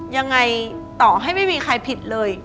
ยังไงต่อให้ไม่มีใครผิดเลย